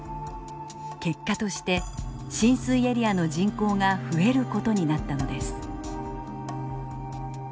結果として浸水エリアの人口が増えることになったのです。